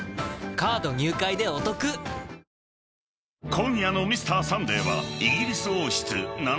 ［今夜の『Ｍｒ．サンデー』は］